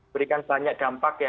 berikan banyak dampak ya